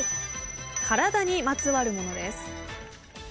体にまつわるものです。